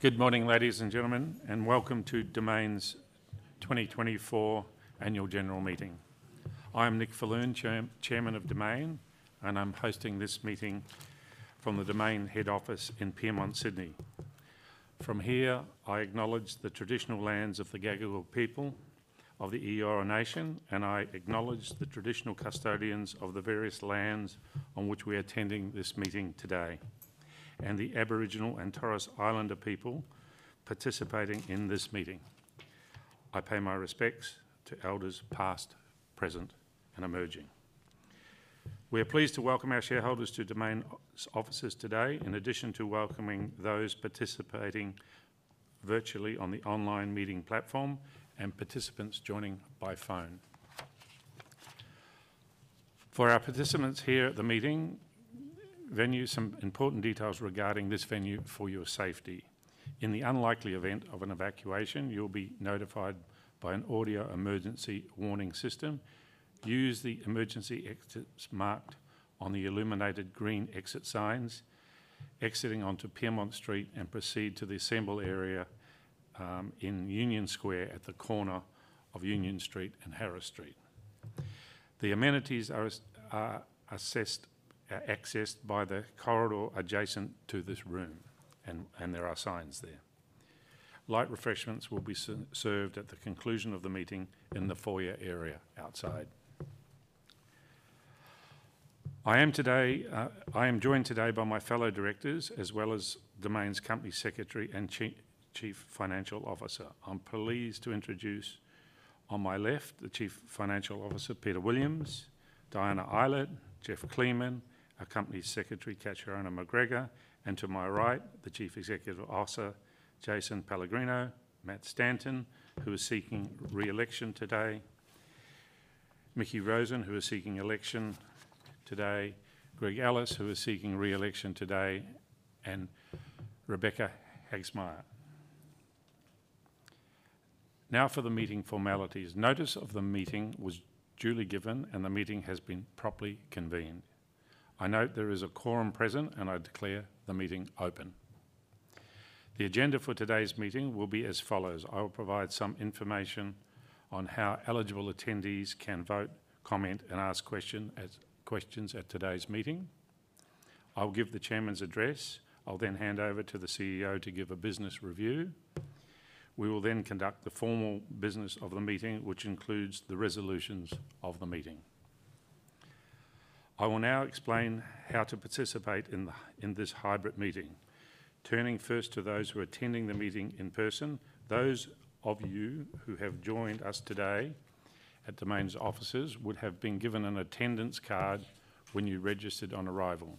Good morning, ladies and gentlemen, and welcome to Domain's 2024 Annual General Meeting. I am Nick Falloon, Chairman of Domain, and I'm hosting this meeting from the Domain Head Office in Pyrmont Street, Sydney. From here, I acknowledge the traditional lands of the Gadigal people of the Eora Nation, and I acknowledge the traditional custodians of the various lands on which we are attending this meeting today, and the Aboriginal and Torres Strait Islander people participating in this meeting. I pay my respects to elders past, present, and emerging. We are pleased to welcome our shareholders to Domain's offices today, in addition to welcoming those participating virtually on the online meeting platform and participants joining by phone. For our participants here at the meeting venue, some important details regarding this venue for your safety. In the unlikely event of an evacuation, you'll be notified by an audio emergency warning system. Use the emergency exits marked on the illuminated green exit signs exiting onto Piedmont Street and proceed to the assembly area in Union Square at the corner of Union Street and Harris Street. The amenities are accessed by the corridor adjacent to this room, and there are signs there. Light refreshments will be served at the conclusion of the meeting in the foyer area outside. I am joined today by my fellow directors, as well as Domain's Company Secretary and Chief Financial Officer. I'm pleased to introduce on my left the Chief Financial Officer, Peter Williams, Diana Eilert, Geoff Kleemann, our Company Secretary, Catriona McGregor, and to my right, the Chief Executive Officer, Jason Pellegrino, Matt Stanton, who is seeking reelection today, Mickie Rosen, who is seeking election today, Greg Ellis, who is seeking reelection today, and Rebecca Haagsma. Now for the meeting formalities. Notice of the meeting was duly given, and the meeting has been properly convened. I note there is a quorum present, and I declare the meeting open. The agenda for today's meeting will be as follows. I will provide some information on how eligible attendees can vote, comment, and ask questions at today's meeting. I'll give the Chairman's address. I'll then hand over to the CEO to give a business review. We will then conduct the formal business of the meeting, which includes the resolutions of the meeting. I will now explain how to participate in this hybrid meeting. Turning first to those who are attending the meeting in person, those of you who have joined us today at Domain's offices would have been given an attendance card when you registered on arrival.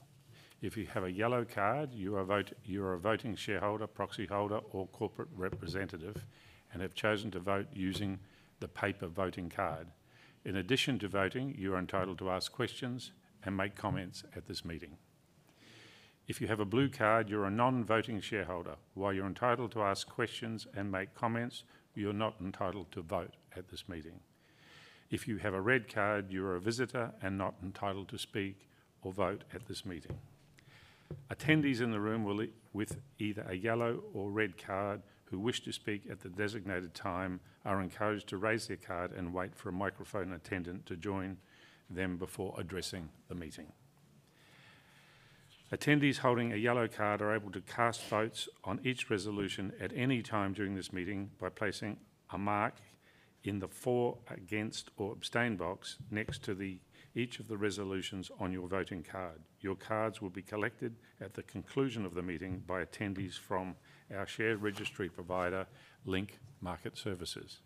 If you have a yellow card, you are a voting shareholder, proxy holder, or corporate representative, and have chosen to vote using the paper voting card. In addition to voting, you are entitled to ask questions and make comments at this meeting. If you have a blue card, you're a non-voting shareholder. While you're entitled to ask questions and make comments, you're not entitled to vote at this meeting. If you have a red card, you are a visitor and not entitled to speak or vote at this meeting. Attendees in the room with either a yellow or red card who wish to speak at the designated time are encouraged to raise their card and wait for a microphone attendant to join them before addressing the meeting. Attendees holding a yellow card are able to cast votes on each resolution at any time during this meeting by placing a mark in the for, against, or abstain box next to each of the resolutions on your voting card. Your cards will be collected at the conclusion of the meeting by attendees from our share registry provider, Link Market Services.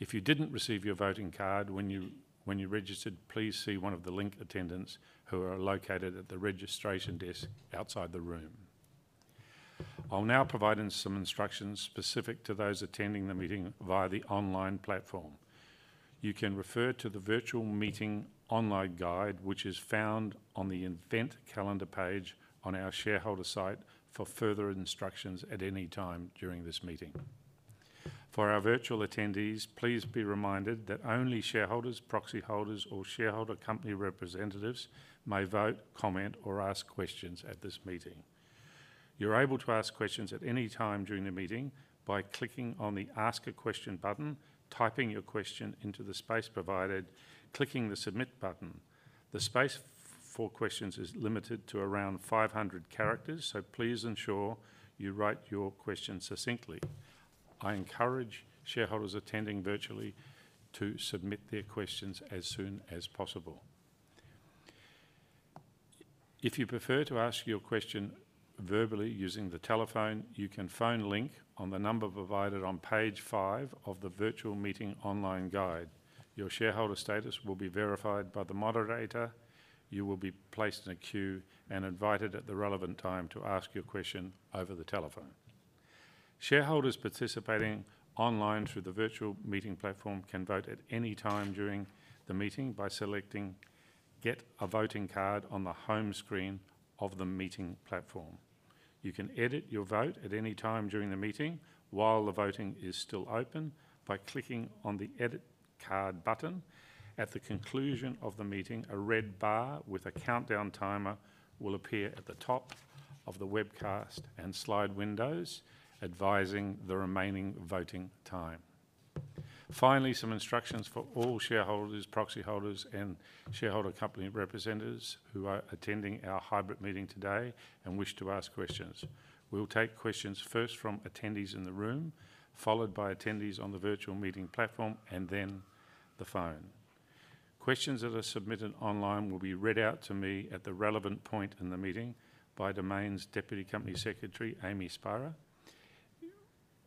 If you didn't receive your voting card when you registered, please see one of the Link attendants who are located at the registration desk outside the room. I'll now provide some instructions specific to those attending the meeting via the online platform. You can refer to the virtual meeting online guide, which is found on the event calendar page on our shareholder site, for further instructions at any time during this meeting. For our virtual attendees, please be reminded that only shareholders, proxy holders, or shareholder company representatives may vote, comment, or ask questions at this meeting. You're able to ask questions at any time during the meeting by clicking on the Ask a Question button, typing your question into the space provided, clicking the Submit button. The space for questions is limited to around 500 characters, so please ensure you write your question succinctly. I encourage shareholders attending virtually to submit their questions as soon as possible. If you prefer to ask your question verbally using the telephone, you can phone Link on the number provided on page five of the virtual meeting online guide. Your shareholder status will be verified by the moderator. You will be placed in a queue and invited at the relevant time to ask your question over the telephone. Shareholders participating online through the virtual meeting platform can vote at any time during the meeting by selecting Get a Voting Card on the home screen of the meeting platform. You can edit your vote at any time during the meeting while the voting is still open by clicking on the Edit Card button. At the conclusion of the meeting, a red bar with a countdown timer will appear at the top of the webcast and slide windows advising the remaining voting time. Finally, some instructions for all shareholders, proxy holders, and shareholder company representatives who are attending our hybrid meeting today and wish to ask questions. We'll take questions first from attendees in the room, followed by attendees on the virtual meeting platform, and then the phone. Questions that are submitted online will be read out to me at the relevant point in the meeting by Domain's Deputy Company Secretary, Amy Spira.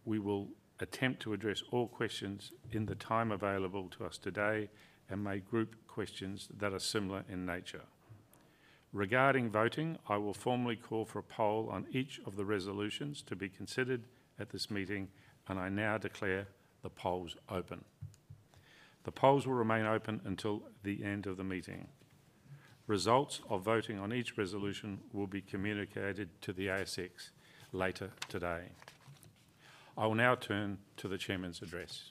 We will attempt to address all questions in the time available to us today and may group questions that are similar in nature. Regarding voting, I will formally call for a poll on each of the resolutions to be considered at this meeting, and I now declare the polls open. The polls will remain open until the end of the meeting. Results of voting on each resolution will be communicated to the ASX later today. I will now turn to the Chairman's address.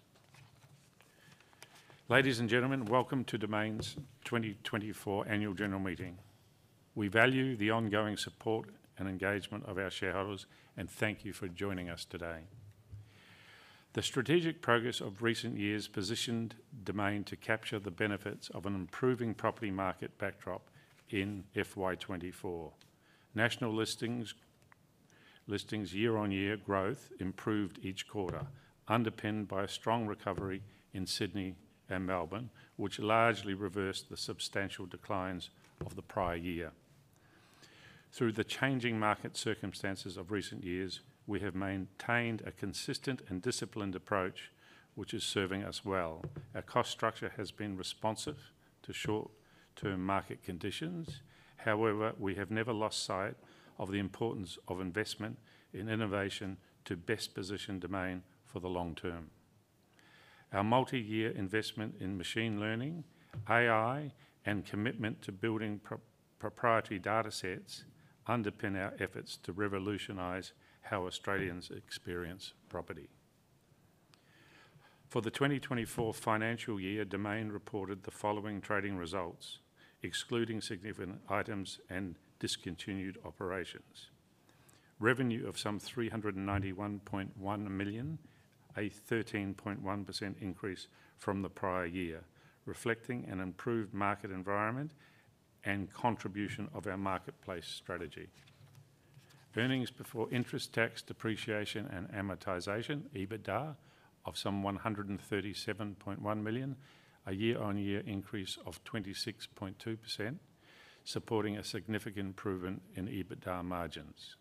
Ladies and gentlemen, welcome to Domain's 2024 Annual General Meeting. We value the ongoing support and engagement of our shareholders, and thank you for joining us today. The strategic progress of recent years positioned Domain to capture the benefits of an improving property market backdrop in FY24. National listings' year-on-year growth improved each quarter, underpinned by a strong recovery in Sydney and Melbourne, which largely reversed the substantial declines of the prior year. Through the changing market circumstances of recent years, we have maintained a consistent and disciplined approach, which is serving us well. Our cost structure has been responsive to short-term market conditions. However, we have never lost sight of the importance of investment in innovation to best position Domain for the long term. Our multi-year investment in machine learning, AI, and commitment to building proprietary data sets underpin our efforts to revolutionize how Australians experience property. For the 2024 financial year, Domain reported the following trading results, excluding significant items and discontinued operations: revenue of some 391.1 million, a 13.1% increase from the prior year, reflecting an improved market environment and contribution of our marketplace strategy. Earnings before interest tax depreciation and amortization, EBITDA, of some 137.1 million, a year-on-year increase of 26.2%, supporting a significant improvement in EBITDA margins.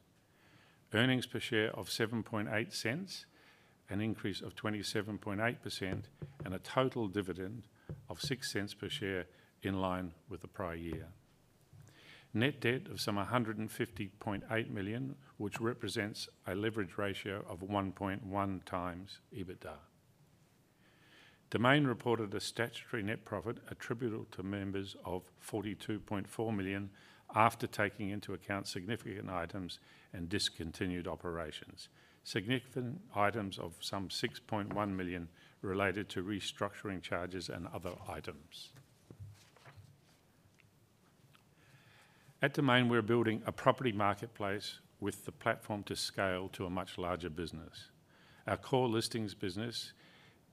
Earnings per share of 0.078, an increase of 27.8%, and a total dividend of 0.06 per share in line with the prior year. Net debt of some 150.8 million, which represents a leverage ratio of 1.1 times EBITDA. Domain reported a statutory net profit attributable to members of 42.4 million after taking into account significant items and discontinued operations. Significant items of some 6.1 million related to restructuring charges and other items. At Domain, we're building a property marketplace with the platform to scale to a much larger business. Our core listings business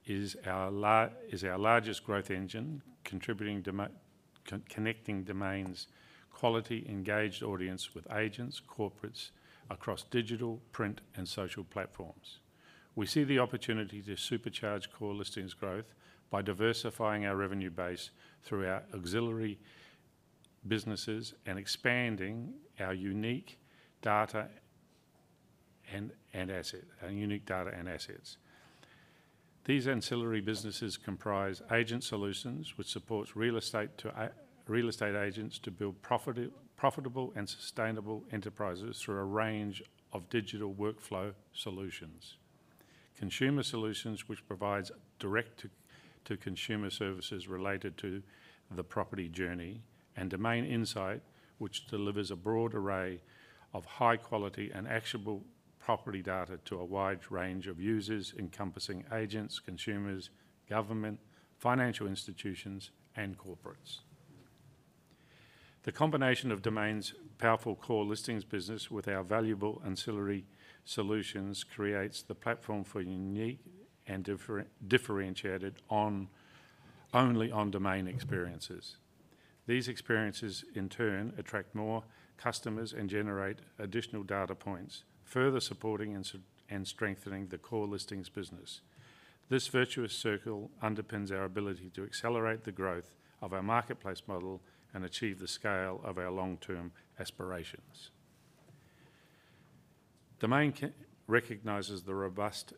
is our largest growth engine, connecting Domain's quality engaged audience with agents, corporates across digital, print, and social platforms. We see the opportunity to supercharge core listings growth by diversifying our revenue base through our ancillary businesses and expanding our unique data and assets. These ancillary businesses comprise Agent Solutions, which support real estate agents to build profitable and sustainable enterprises through a range of digital workflow solutions. Consumer Solutions, which provide direct-to-consumer services related to the property journey, and Domain Insight, which delivers a broad array of high-quality and actionable property data to a wide range of users, encompassing agents, consumers, government, financial institutions, and corporates. The combination of Domain's powerful core listings business with our valuable ancillary solutions creates the platform for unique and differentiated only-on-Domain experiences. These experiences, in turn, attract more customers and generate additional data points, further supporting and strengthening the core listings business. This virtuous circle underpins our ability to accelerate the growth of our marketplace model and achieve the scale of our long-term aspirations. Domain recognizes the robust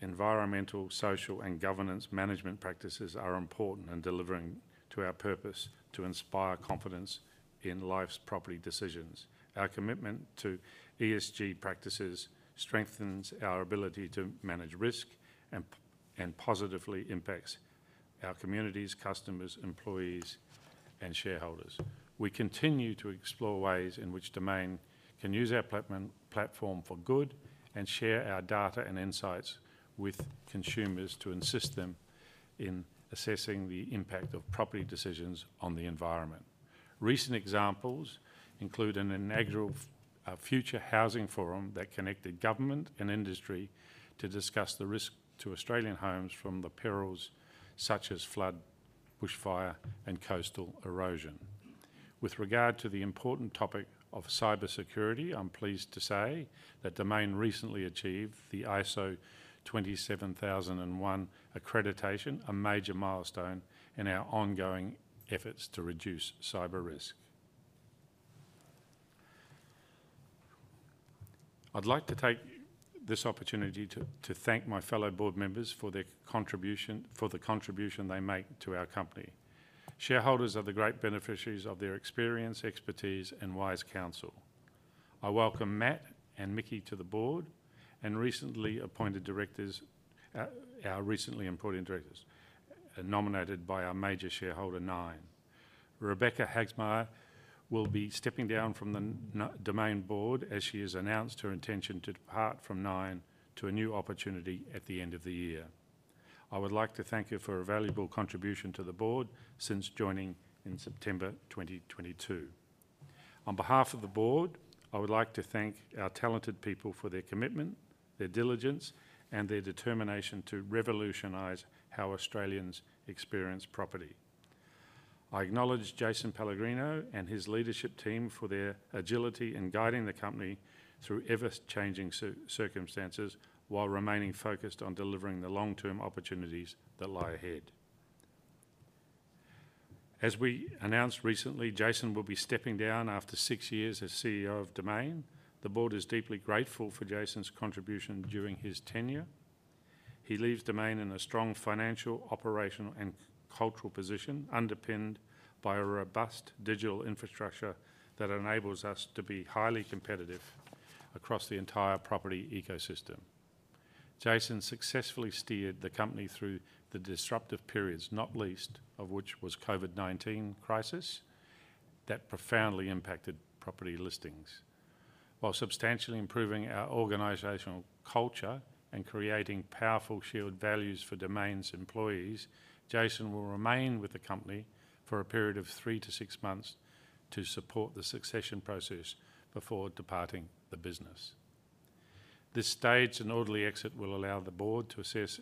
environmental, social, and governance management practices that are important in delivering to our purpose to inspire confidence in life's property decisions. Our commitment to ESG practices strengthens our ability to manage risk and positively impacts our communities, customers, employees, and shareholders. We continue to explore ways in which Domain can use our platform for good and share our data and insights with consumers to assist them in assessing the impact of property decisions on the environment. Recent examples include an inaugural future housing forum that connected government and industry to discuss the risk to Australian homes from perils such as flood, bushfire, and coastal erosion. With regard to the important topic of cybersecurity, I'm pleased to say that Domain recently achieved the ISO 27001 accreditation, a major milestone in our ongoing efforts to reduce cyber risk. I'd like to take this opportunity to thank my fellow board members for the contribution they make to our company. Shareholders are the great beneficiaries of their experience, expertise, and wise counsel. I welcome Matt and Mickie to the board and recently appointed directors, nominated by our major shareholder, Nine. Rebecca Haagsma will be stepping down from the Domain board as she has announced her intention to depart from Nine to a new opportunity at the end of the year. I would like to thank you for a valuable contribution to the board since joining in September 2022. On behalf of the board, I would like to thank our talented people for their commitment, their diligence, and their determination to revolutionize how Australians experience property. I acknowledge Jason Pellegrino and his leadership team for their agility in guiding the company through ever-changing circumstances while remaining focused on delivering the long-term opportunities that lie ahead. As we announced recently, Jason will be stepping down after six years as CEO of Domain. The board is deeply grateful for Jason's contribution during his tenure. He leaves Domain in a strong financial, operational, and cultural position underpinned by a robust digital infrastructure that enables us to be highly competitive across the entire property ecosystem. Jason successfully steered the company through the disruptive periods, not least of which was the COVID-19 crisis that profoundly impacted property listings. While substantially improving our organizational culture and creating powerful shared values for Domain's employees, Jason will remain with the company for a period of three to six months to support the succession process before departing the business. This stage and orderly exit will allow the board to assess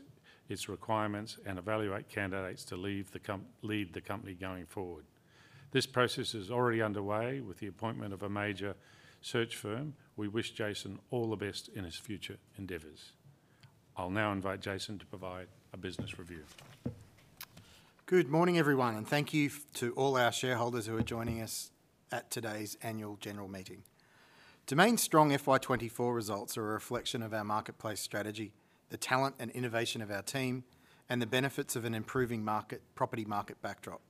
its requirements and evaluate candidates to lead the company going forward. This process is already underway with the appointment of a major search firm. We wish Jason all the best in his future endeavors. I'll now invite Jason to provide a business review. Good morning, everyone, and thank you to all our shareholders who are joining us at today's Annual General Meeting. Domain's strong FY24 results are a reflection of our marketplace strategy, the talent and innovation of our team, and the benefits of an improving property market backdrop.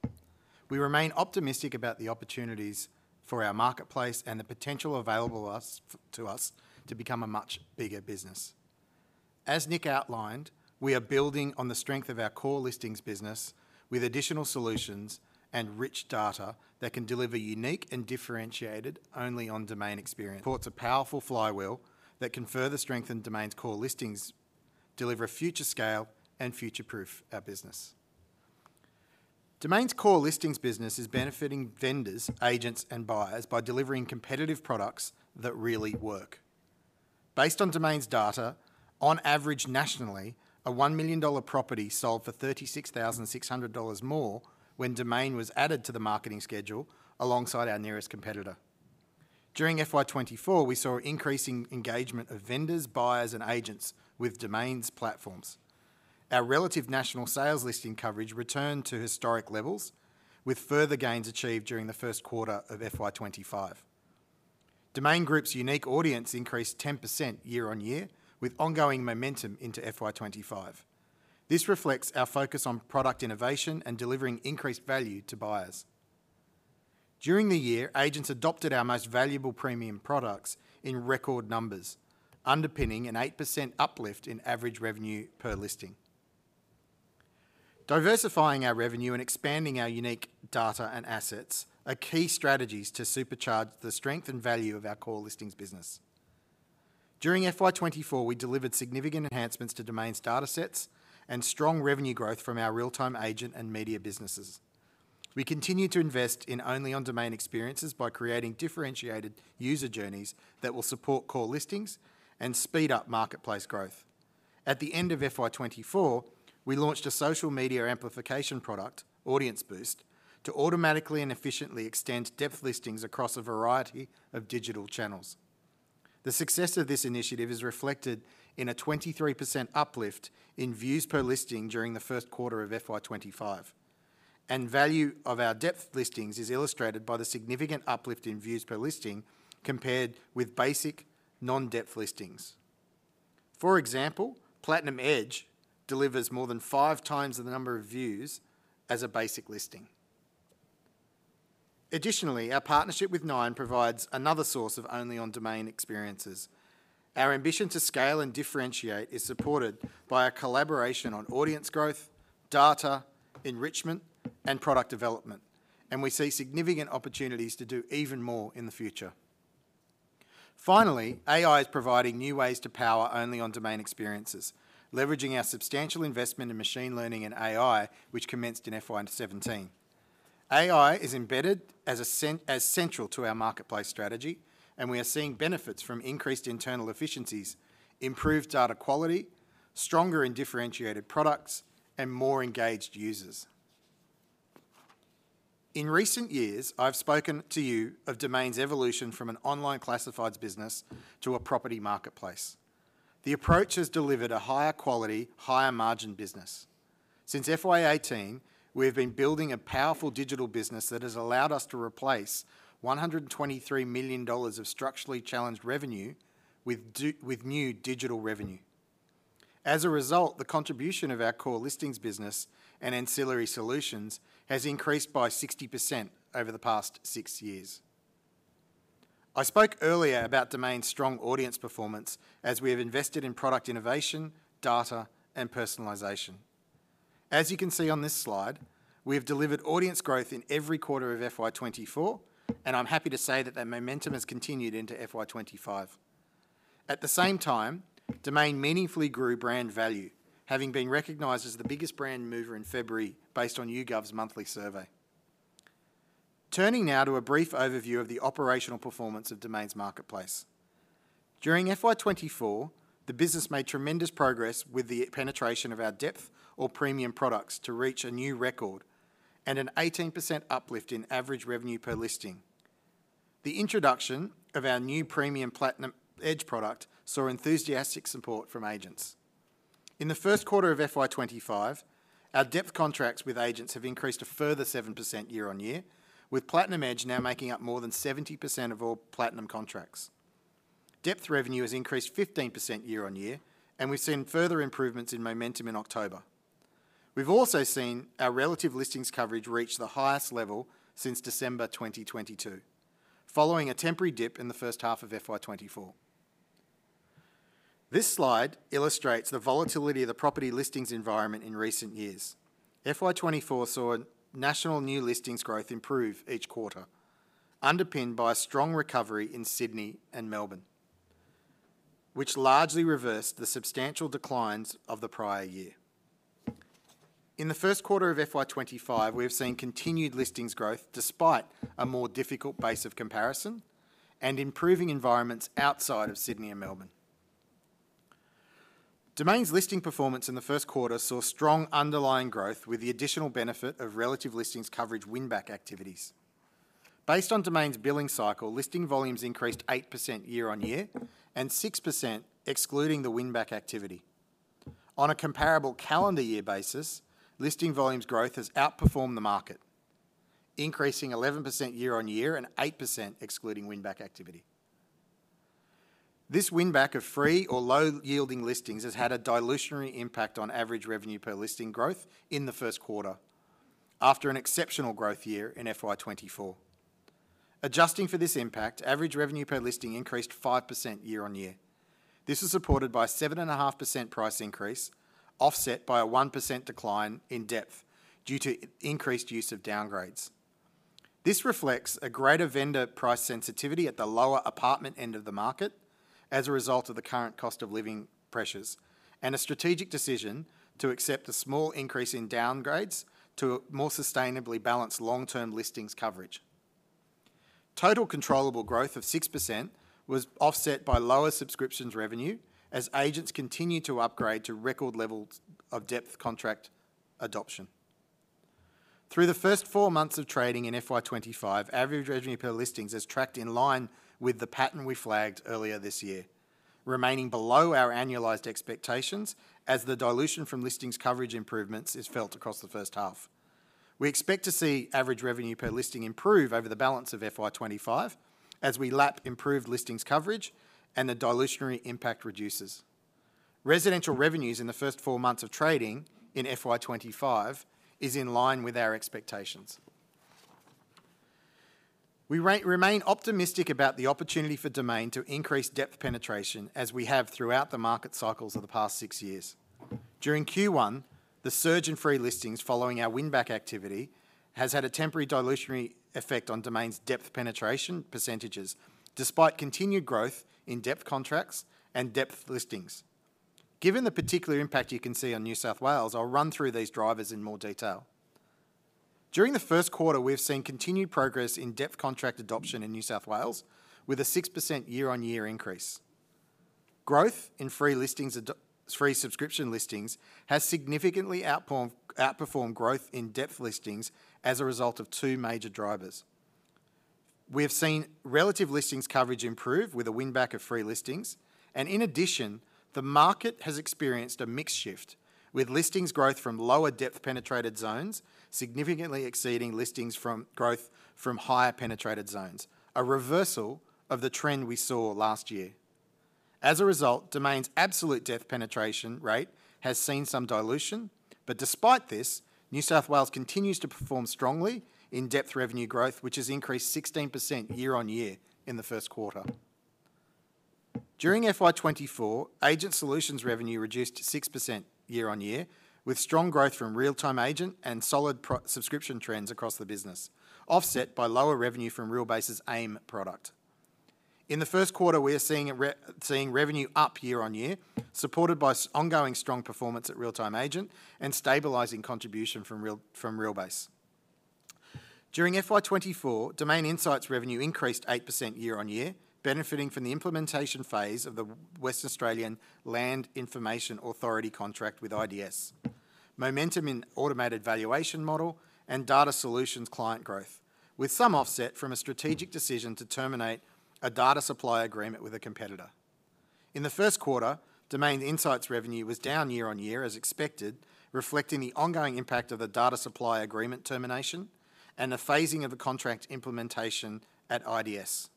We remain optimistic about the opportunities for our marketplace and the potential available to us to become a much bigger business. As Nick outlined, we are building on the strength of our core listings business with additional solutions and rich data that can deliver unique and differentiated only-on-Domain experience. Supports a powerful flywheel that can further strengthen Domain's core listings, deliver future scale, and future-proof our business. Domain's core listings business is benefiting vendors, agents, and buyers by delivering competitive products that really work. Based on Domain's data, on average nationally, a 1 million dollar property sold for 36,600 dollars more when Domain was added to the marketing schedule alongside our nearest competitor. During FY24, we saw increasing engagement of vendors, buyers, and agents with Domain's platforms. Our relative national sales listing coverage returned to historic levels, with further gains achieved during the first quarter of FY25. Domain Group's unique audience increased 10% year-on-year, with ongoing momentum into FY25. This reflects our focus on product innovation and delivering increased value to buyers. During the year, agents adopted our most valuable premium products in record numbers, underpinning an 8% uplift in average revenue per listing. Diversifying our revenue and expanding our unique data and assets are key strategies to supercharge the strength and value of our core listings business. During FY24, we delivered significant enhancements to Domain's data sets and strong revenue growth from our real-time agent and media businesses. We continue to invest in only-on-Domain experiences by creating differentiated user journeys that will support core listings and speed up marketplace growth. At the end of FY24, we launched a social media amplification product, Audience Boost, to automatically and efficiently extend depth listings across a variety of digital channels. The success of this initiative is reflected in a 23% uplift in views per listing during the first quarter of FY25, and the value of our depth listings is illustrated by the significant uplift in views per listing compared with basic, non-depth listings. For example, Platinum Edge delivers more than five times the number of views as a basic listing. Additionally, our partnership with Nine provides another source of only-on-Domain experiences. Our ambition to scale and differentiate is supported by a collaboration on audience growth, data enrichment, and product development, and we see significant opportunities to do even more in the future. Finally, AI is providing new ways to power only-on-Domain experiences, leveraging our substantial investment in machine learning and AI, which commenced in FY17. AI is embedded as central to our marketplace strategy, and we are seeing benefits from increased internal efficiencies, improved data quality, stronger and differentiated products, and more engaged users. In recent years, I've spoken to you of Domain's evolution from an online classifieds business to a property marketplace. The approach has delivered a higher quality, higher margin business. Since FY18, we have been building a powerful digital business that has allowed us to replace 123 million dollars of structurally challenged revenue with new digital revenue. As a result, the contribution of our core listings business and ancillary solutions has increased by 60% over the past six years. I spoke earlier about Domain's strong audience performance as we have invested in product innovation, data, and personalization. As you can see on this slide, we have delivered audience growth in every quarter of FY24, and I'm happy to say that that momentum has continued into FY25. At the same time, Domain meaningfully grew brand value, having been recognized as the biggest brand mover in February based on YouGov's monthly survey. Turning now to a brief overview of the operational performance of Domain's marketplace. During FY24, the business made tremendous progress with the penetration of our depth or premium products to reach a new record and an 18% uplift in average revenue per listing. The introduction of our new premium Platinum Edge product saw enthusiastic support from agents. In the first quarter of FY25, our depth contracts with agents have increased a further 7% year-on-year, with Platinum Edge now making up more than 70% of all Platinum contracts. Depth revenue has increased 15% year-on-year, and we've seen further improvements in momentum in October. We've also seen our relative listings coverage reach the highest level since December 2022, following a temporary dip in the first half of FY24. This slide illustrates the volatility of the property listings environment in recent years. FY24 saw national new listings growth improve each quarter, underpinned by a strong recovery in Sydney and Melbourne, which largely reversed the substantial declines of the prior year. In the first quarter of FY25, we have seen continued listings growth despite a more difficult base of comparison and improving environments outside of Sydney and Melbourne. Domain's listing performance in the first quarter saw strong underlying growth with the additional benefit of relative listings coverage win-back activities. Based on Domain's billing cycle, listing volumes increased 8% year-on-year and 6% excluding the win-back activity. On a comparable calendar year basis, listing volumes growth has outperformed the market, increasing 11% year-on-year and 8% excluding win-back activity. This win-back of free or low-yielding listings has had a dilutive impact on average revenue per listing growth in the first quarter after an exceptional growth year in FY24. Adjusting for this impact, average revenue per listing increased 5% year-on-year. This is supported by a 7.5% price increase, offset by a 1% decline in depth due to increased use of downgrades. This reflects a greater vendor price sensitivity at the lower apartment end of the market as a result of the current cost of living pressures and a strategic decision to accept a small increase in downgrades to more sustainably balanced long-term listings coverage. Total controllable growth of 6% was offset by lower subscriptions revenue as agents continue to upgrade to record levels of depth contract adoption. Through the first four months of trading in FY25, average revenue per listing has tracked in line with the pattern we flagged earlier this year, remaining below our annualized expectations as the dilution from listings coverage improvements is felt across the first half. We expect to see average revenue per listing improve over the balance of FY25 as we lap improved listings coverage and the dilutive impact reduces. Residential revenues in the first four months of trading in FY25 are in line with our expectations. We remain optimistic about the opportunity for Domain to increase depth penetration as we have throughout the market cycles of the past six years. During Q1, the surge in free listings following our win-back activity has had a temporary dilutive effect on Domain's depth penetration percentages despite continued growth in depth contracts and depth listings. Given the particular impact you can see on New South Wales, I'll run through these drivers in more detail. During the first quarter, we've seen continued progress in depth contract adoption in New South Wales with a 6% year-on-year increase. Growth in free subscription listings has significantly outperformed growth in depth listings as a result of two major drivers. We have seen relative listings coverage improve with a win-back of free listings, and in addition, the market has experienced a mixed shift with listings growth from lower depth penetrated zones significantly exceeding growth from higher penetrated zones, a reversal of the trend we saw last year. As a result, Domain's absolute depth penetration rate has seen some dilution, but despite this, New South Wales continues to perform strongly in depth revenue growth, which has increased 16% year-on-year in the first quarter. During FY24, Agent Solutions revenue reduced 6% year-on-year with strong growth from Real Time Agent and solid subscription trends across the business, offset by lower revenue from RealBase's AIM product. In the first quarter, we are seeing revenue up year-on-year, supported by ongoing strong performance at Real Time Agent and stabilizing contribution from RealBase. During FY24, Domain Insight revenue increased 8% year-on-year, benefiting from the implementation phase of the Western Australian Land Information Authority contract with IDS, momentum in Automated Valuation Model, and data solutions client growth, with some offset from a strategic decision to terminate a data supply agreement with a competitor. In the first quarter, Domain Insight revenue was down year-on-year as expected, reflecting the ongoing impact of the data supply agreement termination and the phasing of the contract implementation at IDS.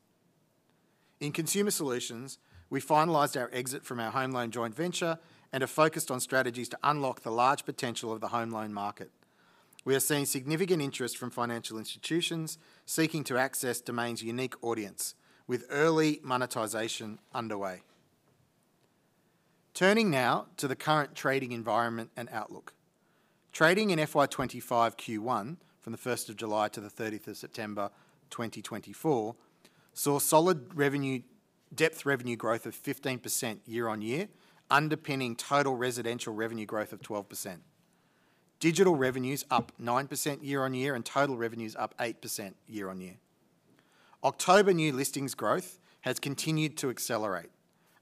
In consumer solutions, we finalized our exit from our home loan joint venture and have focused on strategies to unlock the large potential of the home loan market. We are seeing significant interest from financial institutions seeking to access Domain's unique audience with early monetization underway. Turning now to the current trading environment and outlook. Trading in FY25 Q1, from the 1st of July to the 30th of September 2024, saw solid depth revenue growth of 15% year-on-year, underpinning total residential revenue growth of 12%. Digital revenues up 9% year-on-year and total revenues up 8% year-on-year. October new listings growth has continued to accelerate,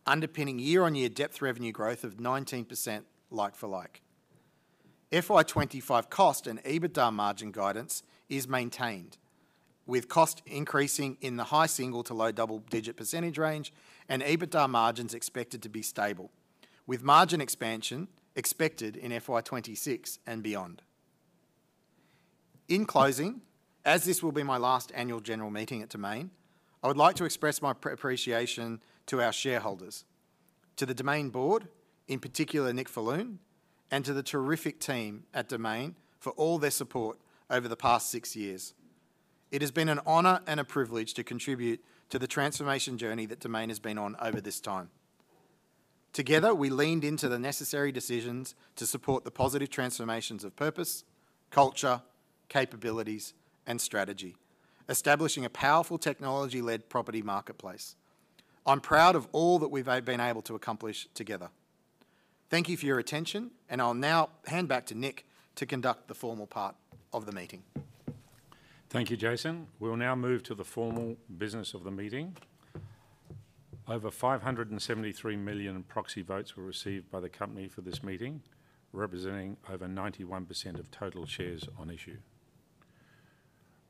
underpinning year-on-year depth revenue growth of 19% like-for-like. FY25 cost and EBITDA margin guidance is maintained, with cost increasing in the high single- to low double-digit percentage range and EBITDA margins expected to be stable, with margin expansion expected in FY26 and beyond. In closing, as this will be my last Annual General Meeting at Domain, I would like to express my appreciation to our shareholders, to the Domain board, in particular Nick Falloon, and to the terrific team at Domain for all their support over the past six years. It has been an honor and a privilege to contribute to the transformation journey that Domain has been on over this time. Together, we leaned into the necessary decisions to support the positive transformations of purpose, culture, capabilities, and strategy, establishing a powerful technology-led property marketplace. I'm proud of all that we've been able to accomplish together. Thank you for your attention, and I'll now hand back to Nick to conduct the formal part of the meeting. Thank you, Jason. We'll now move to the formal business of the meeting. Over 573 million proxy votes were received by the company for this meeting, representing over 91% of total shares on issue.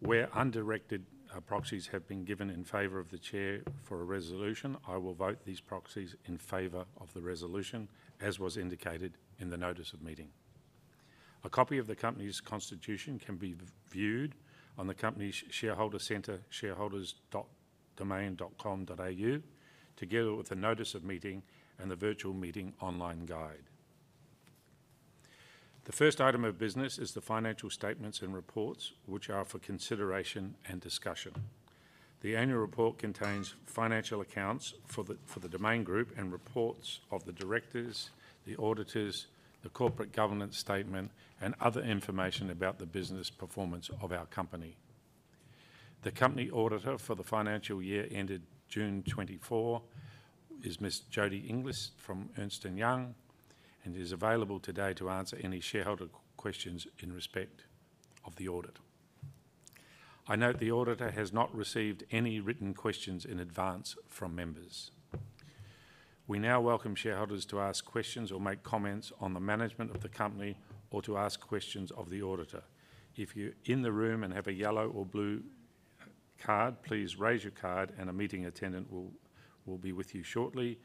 Where undirected proxies have been given in favor of the chair for a resolution, I will vote these proxies in favor of the resolution, as was indicated in the notice of meeting. A copy of the company's constitution can be viewed on the company's shareholder center, shareholders.domain.com.au, together with the notice of meeting and the virtual meeting online guide. The first item of business is the financial statements and reports, which are for consideration and discussion. The annual report contains financial accounts for the Domain Group and reports of the directors, the auditors, the corporate governance statement, and other information about the business performance of our company. The company auditor for the financial year ended 30 June 2024 is Ms. Jodie Inglis from Ernst & Young is available today to answer any shareholder questions in respect of the audit. I note the auditor has not received any written questions in advance from members. We now welcome shareholders to ask questions or make comments on the management of the company or to ask questions of the auditor. If you're in the room and have a yellow or blue card, please raise your card and a meeting attendant will be with you shortly.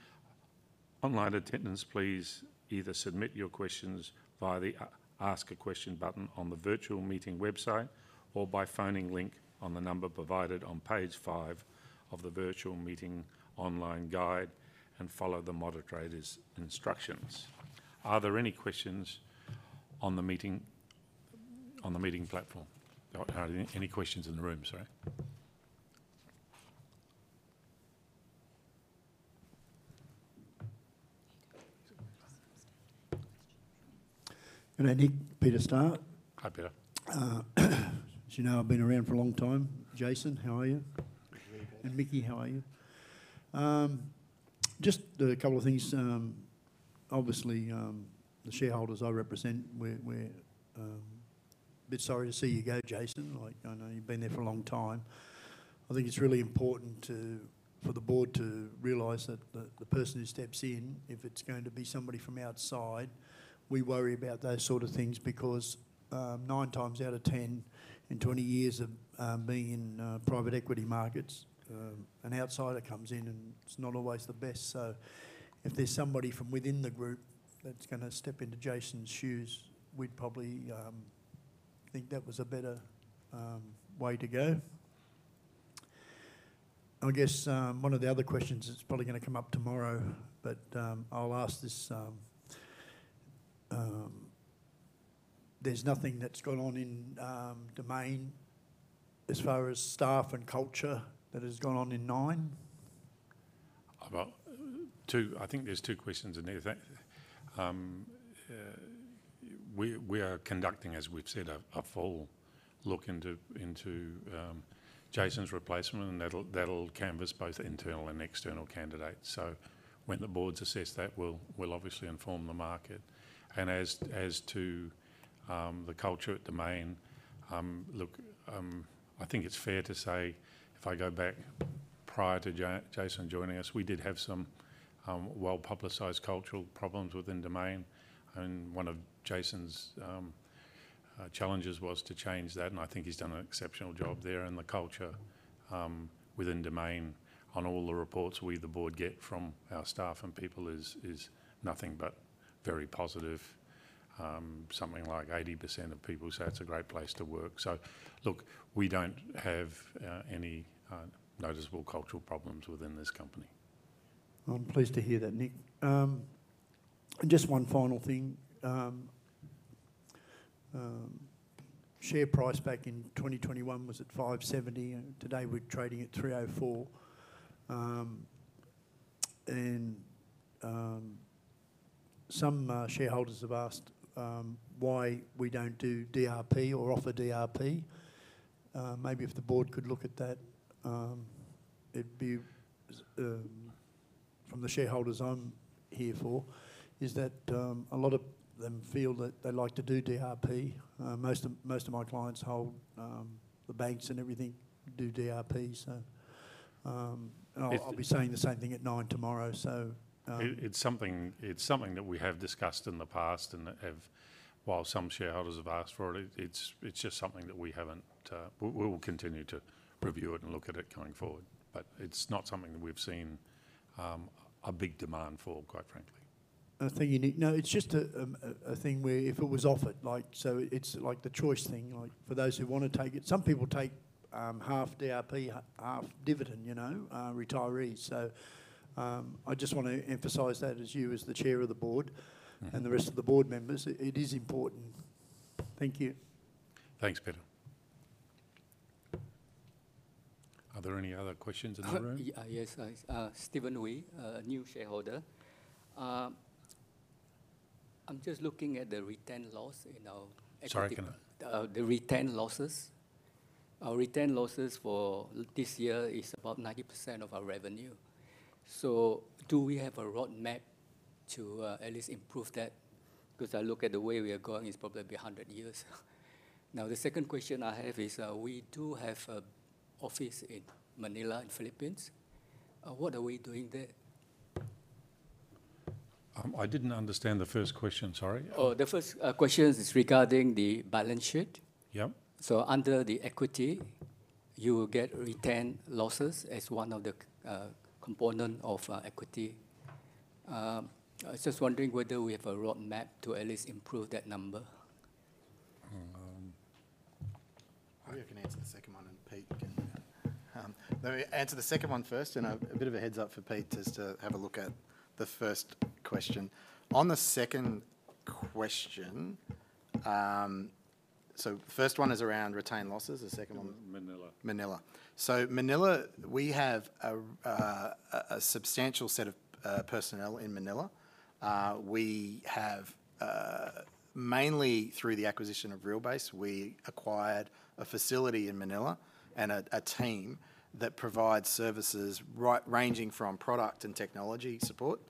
Online attendants, please either submit your questions via the Ask a Question button on the virtual meeting website or by phoning Link on the number provided on page five of the virtual meeting online guide and follow the moderator's instructions. Are there any questions on the meeting platform? Any questions in the room? Sorry. Nick, Peter Starr. Hi, Peter. As you know, I've been around for a long time. Jason, how are you? And Mickie, how are you? Just a couple of things. Obviously, the shareholders I represent, we're a bit sorry to see you go, Jason. I know you've been there for a long time. I think it's really important for the board to realize that the person who steps in, if it's going to be somebody from outside, we worry about those sort of things because nine times out of 10 in 20 years of being in private equity markets, an outsider comes in and it's not always the best. So if there's somebody from within the group that's going to step into Jason's shoes, we'd probably think that was a better way to go. I guess one of the other questions that's probably going to come up tomorrow, but I'll ask this. There's nothing that's gone on in Domain as far as staff and culture that has gone on in Nine? I think there's two questions in there. We are conducting, as we've said, a full look into Jason's replacement and that'll canvas both internal and external candidates. So when the boards assess that, we'll obviously inform the market. And as to the culture at Domain, look, I think it's fair to say if I go back prior to Jason joining us, we did have some well-publicized cultural problems within Domain. And one of Jason's challenges was to change that. And I think he's done an exceptional job there. And the culture within Domain on all the reports we the board get from our staff and people is nothing but very positive. Something like 80% of people say it's a great place to work. Look, we don't have any noticeable cultural problems within this company. I'm pleased to hear that, Nick. Just one final thing. Share price back in 2021 was at 570. Today, we're trading at 304. Some shareholders have asked why we don't do DRP or offer DRP. Maybe if the board could look at that, it'd be from the shareholders I'm here for, is that a lot of them feel that they like to do DRP. Most of my clients hold the banks and everything do DRP. So I'll be saying the same thing at Nine tomorrow. It's something that we have discussed in the past and that, while some shareholders have asked for it. It's just something that we haven't. We will continue to review it and look at it going forward. But it's not something that we've seen a big demand for, quite frankly. No, it's just a thing where if it was offered, so it's like the choice thing for those who want to take it. Some people take half DRP, half dividend, retirees. So I just want to emphasize that as you as the chair of the board and the rest of the board members, it is important. Thank you. Thanks, Peter. Are there any other questions in the room? Yes. Stephen Wee, a new shareholder. I'm just looking at the return loss in our equity. Sorry, can I? The return losses. Our return losses for this year is about 90% of our revenue. So do we have a roadmap to at least improve that? Because I look at the way we are going, it's probably be 100 years. Now, the second question I have is we do have an office in Manila in the Philippines. What are we doing there? I didn't understand the first question. Sorry. Oh, the first question is regarding the balance sheet. So under the equity, you will get retained losses as one of the components of equity. I was just wondering whether we have a roadmap to at least improve that number. You can answer the second one, and Pete can answer the second one first, and a bit of a heads up for Pete is to have a look at the first question. On the second question, so the first one is around retained losses. The second one? Manila. Manila. So Manila, we have a substantial set of personnel in Manila. We have mainly through the acquisition of RealBase, we acquired a facility in Manila and a team that provides services ranging from product and technology support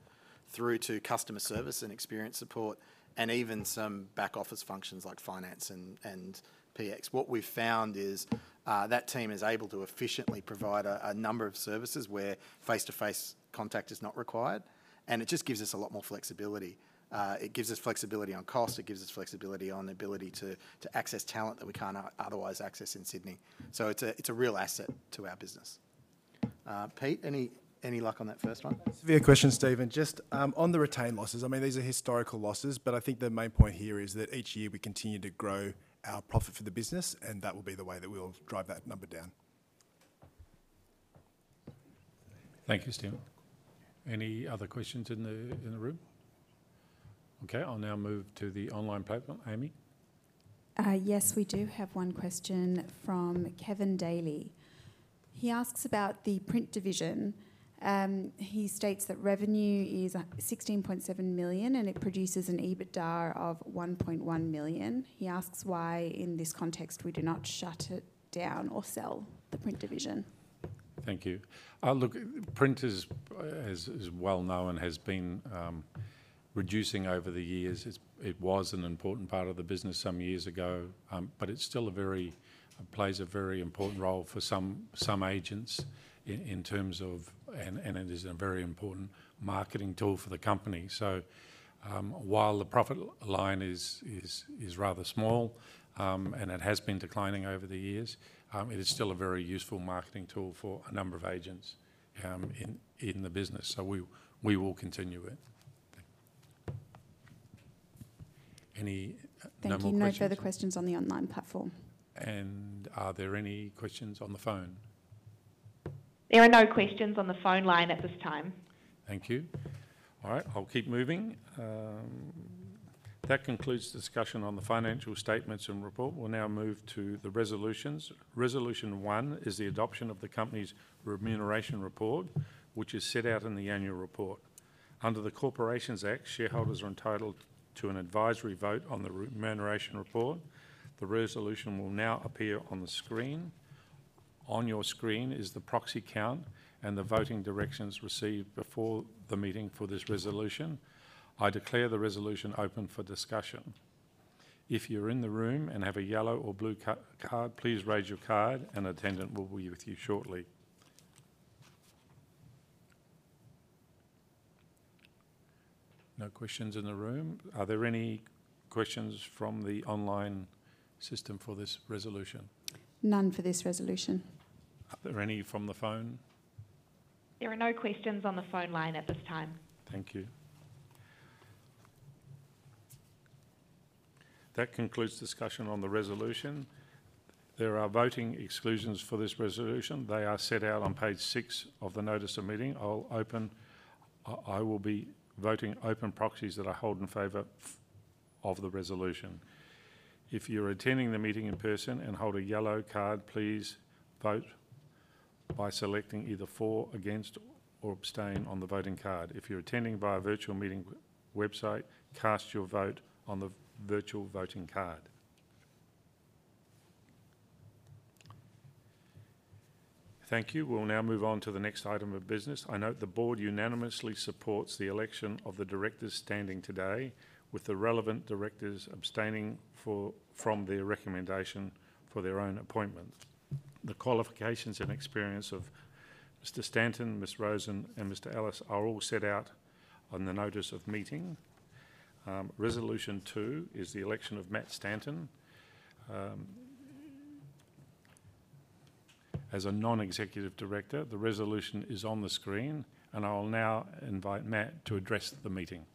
through to customer service and experience support, and even some back-office functions like finance and PX. What we've found is that team is able to efficiently provide a number of services where face-to-face contact is not required, and it just gives us a lot more flexibility. It gives us flexibility on cost. It gives us flexibility on the ability to access talent that we can't otherwise access in Sydney, so it's a real asset to our business. Pete, any luck on that first one? Thank you, Stephen. Just on the retained losses, I mean, these are historical losses, but I think the main point here is that each year we continue to grow our profit for the business, and that will be the way that we'll drive that number down. Thank you, Stephen. Any other questions in the room? Okay. I'll now move to the online platform. Amy? Yes, we do have one question from Kevin Daily. He asks about the print division. He states that revenue is 16.7 million and it produces an EBITDA of 1.1 million. He asks why in this context we do not shut it down or sell the print division. Thank you. Look, print is, as well known, has been reducing over the years. It was an important part of the business some years ago, but it still plays a very important role for some agents in terms of, and it is a very important marketing tool for the company. So while the profit line is rather small and it has been declining over the years, it is still a very useful marketing tool for a number of agents in the business. So we will continue it. Any number of questions? Thank you. No further questions on the online platform. And are there any questions on the phone? There are no questions on the phone line at this time. Thank you. All right. I'll keep moving. That concludes the discussion on the financial statements and report. We'll now move to the resolutions. Resolution one is the adoption of the company's remuneration report, which is set out in the annual report. Under the Corporations Act, shareholders are entitled to an advisory vote on the remuneration report. The resolution will now appear on the screen. On your screen is the proxy count and the voting directions received before the meeting for this resolution. I declare the resolution open for discussion. If you're in the room and have a yellow or blue card, please raise your card and an attendant will be with you shortly. No questions in the room. Are there any questions from the online system for this resolution? None for this resolution. Are there any from the phone? There are no questions on the phone line at this time. Thank you. That concludes discussion on the resolution. There are voting exclusions for this resolution. They are set out on page six of the notice of meeting. I will be voting open proxies that I hold in favor of the resolution. If you're attending the meeting in person and hold a yellow card, please vote by selecting either for, against, or abstain on the voting card. If you're attending via virtual meeting website, cast your vote on the virtual voting card. Thank you. We'll now move on to the next item of business. I note the board unanimously supports the election of the directors standing today with the relevant directors abstaining from their recommendation for their own appointment. The qualifications and experience of Mr. Stanton, Ms. Rosen, and Mr. Ellis are all set out on the notice of meeting. Resolution two is the election of Matt Stanton as a non-executive director. The resolution is on the screen, and I'll now invite Matt to address the meeting.